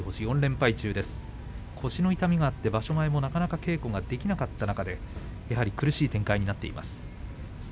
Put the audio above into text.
前も腰の痛みがあってなかなか稽古ができなかった中苦しい展開となっています。